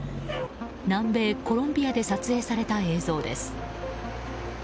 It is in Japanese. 南米コロンビアで撮影された映像です。